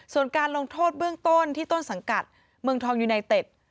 ส่วนการลงโทษเบื้องต้นที่ต้นสังกัดเมืองทองยูไนเต็ด